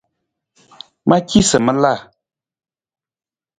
Ma ci sa ma la.